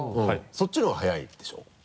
そっちの方が早いでしょ？